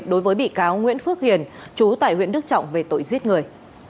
đối với bị cáo nguyễn phước hiền chú tại huyện đức trọng về tội giết người